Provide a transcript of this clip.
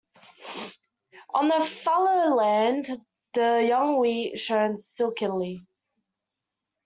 On the fallow land the young wheat shone silkily.